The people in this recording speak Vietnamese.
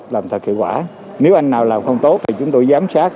làm thật hiệu quả nếu anh nào làm không tốt thì chúng tôi giám sát